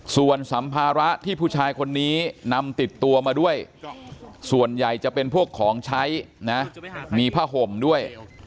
ส่วนสัมภาระที่ผู้ชายคนนี้นำติดตัวมาด้วยส่วนใหญ่จะเป็นพวกของใช้นะมีผ้าห่มด้วย